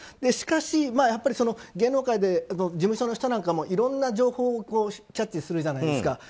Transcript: しかし、芸能界で事務所の人なんかもいろんな情報をキャッチするじゃないですか。